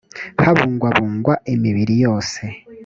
habungwabungwa imibiri yose